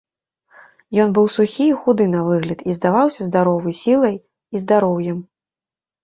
Ён быў сухі і худы на выгляд і здаваўся здаровы сілай і здароўем.